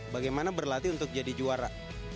bagaimana berlatih untuk jadi juara